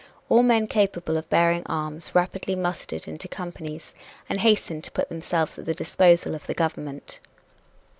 All men capable of bearing arms rapidly mustered into companies and hastened to put themselves at the disposal of the government.